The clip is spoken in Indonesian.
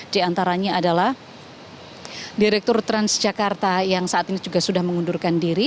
di antaranya adalah direktur transjakarta yang saat ini juga sudah mengundurkan diri